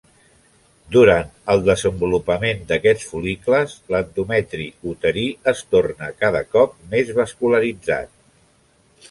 Durant el desenvolupament d'aquests fol·licles, l'endometri uterí es torna cap cop més vascularitzat.